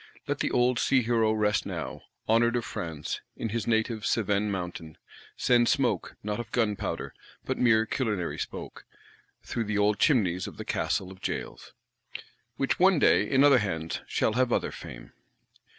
Let the old sea hero rest now, honoured of France, in his native Cevennes mountains; send smoke, not of gunpowder, but mere culinary smoke, through the old chimneys of the Castle of Jalès,—which one day, in other hands, shall have other fame.